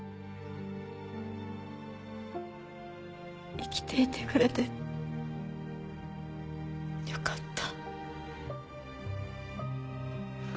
生きていてくれてよかった。